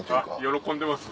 喜んでます。